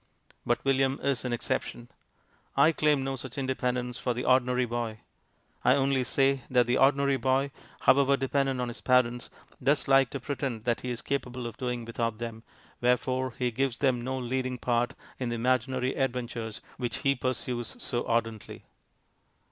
But William is an exception. I claim no such independence for the ordinary boy; I only say that the ordinary boy, however dependent on his parents, does like to pretend that he is capable of doing without them, wherefore he gives them no leading part in the imaginary adventures which he pursues so ardently.